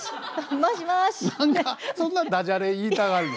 そんなダジャレ言いたがるの？